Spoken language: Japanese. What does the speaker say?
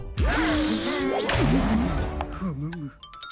フムム。